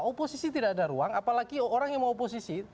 oposisi tidak ada ruang apalagi orang yang mau oposisi